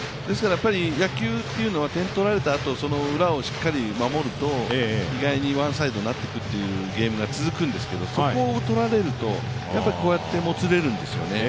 野球というのは点を取られたあとそのウラをしっかり守ると意外にワンサイドになっていくということがあるんですけどそこを取られると、こうやってもつれるんですよね。